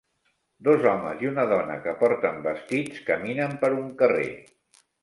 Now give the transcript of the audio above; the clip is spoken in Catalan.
Dos homes i una dona que porten vestits caminen per un carrer.